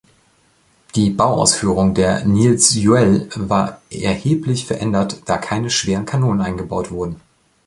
Die Bauausführung der "Niels Juel" war erheblich verändert, da keine schweren Kanonen eingebaut wurden.